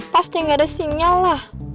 pasti nggak ada sinyal lah